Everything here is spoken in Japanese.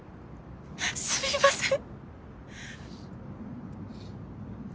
すみません！